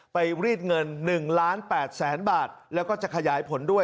ไปรีดเงินหนึ่งล้านแปดแสนบาทแล้วก็จะขยายผลด้วย